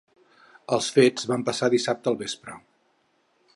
Els fets van passar dissabte al vespre.